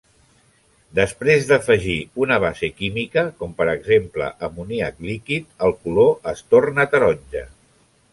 Després d'afegir una base química, com per exemple amoníac líquid, el color es torna taronja.